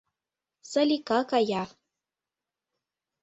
Салика кая.